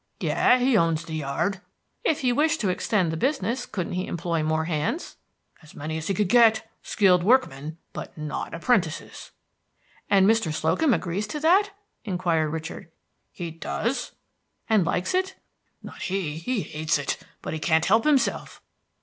"Yes, he owns the yard." "If he wished to extend the business, couldn't he employ more hands?" "As many as he could get, skilled workmen; but not apprentices." "And Mr. Slocum agrees to that?" inquired Richard. "He does." "And likes it?" "Not he, he hates it; but he can't help himself."